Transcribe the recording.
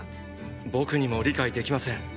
僕にも理解できません。